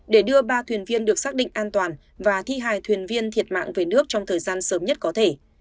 để đưa ba thuyền viên được xác định an toàn và thi hài thuyền viên thiệt mạng về nước trong thời gian sớm nhất có thể